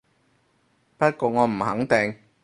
不過我唔肯定